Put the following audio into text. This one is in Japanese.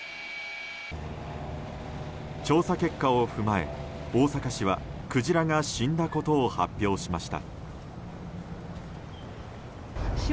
調査結果を踏まえ、大阪市はクジラが死んだことを発表しました。